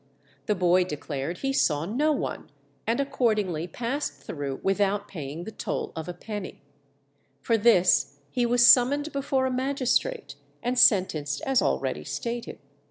The boy declared he saw no one, and accordingly passed through without paying the toll of a penny. For this he was summoned before a magistrate, and sentenced as already stated.